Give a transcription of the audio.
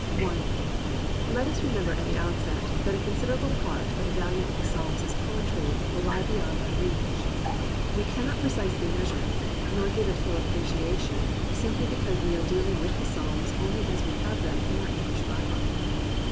37 COMPANIONABLE BOOKS I Let us remember at the outset that a considerable part of the value of the Psalms as poetry will lie be yond our reach. We cannot precisely measure it, nor give it full appreciation, simply because we are dealing with the Psalms only as we have them in our English Bible.